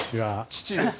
父です。